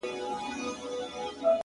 سور زېږوي راته سرور جوړ كړي